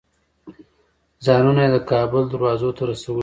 ځانونه یې د کابل دروازو ته رسولي وو.